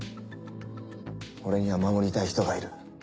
俺には守りたい人がいる。